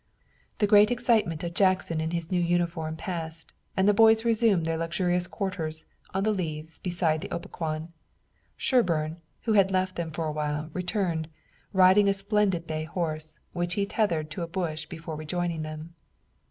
The great excitement of Jackson in his new uniform passed and the boys resumed their luxurious quarters on the leaves beside the Opequon. Sherburne, who had left them a while, returned, riding a splendid bay horse, which he tethered to a bush before rejoining them.